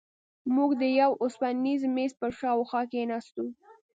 موږ د یوه اوسپنیز میز پر شاوخوا کېناستو.